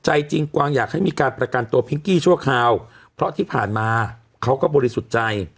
ใจจริงกวางอยากให้มีการประกันตัวพิงกี้ชั่วคราวเพราะที่ผ่านมาเขาก็บริสุทธิ์ใจ